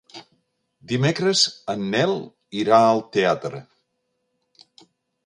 Dimecres en Nel irà al teatre.